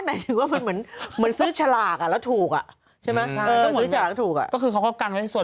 ไม่ใช่มันคือเหมือนซื้อฝั่งชลาก